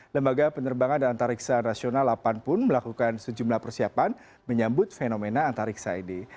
lembaga penerbangan dan antariksaan rasional delapan pun melakukan sejumlah persiapan menyambut fenomena antariksa ini